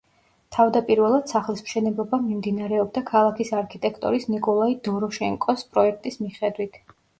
თავდაპირველად სახლის მშენებლობა მიმდინარეობდა ქალაქის არქიტექტორის ნიკოლაი დოროშენკოს პროექტის მიხედვით.